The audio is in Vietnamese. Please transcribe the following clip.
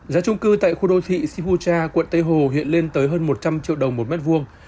một mươi năm giá trung cư tại khu đô thị sipucha quận tây hồ hiện lên tới hơn một trăm linh triệu đồng một mét vuông